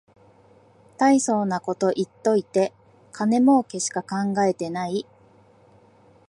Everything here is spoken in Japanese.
たいそうなこと言っといて金もうけしか考えてない